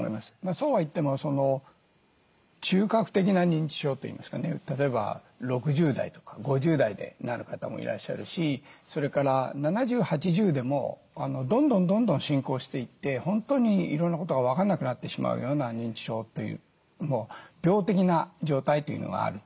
そうはいっても中核的な認知症といいますかね例えば６０代とか５０代でなる方もいらっしゃるしそれから７０８０でもどんどんどんどん進行していって本当にいろんなことが分かんなくなってしまうような認知症というもう病的な状態というのがある。